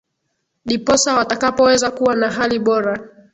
diposa watakapoweza kuwa na hali bora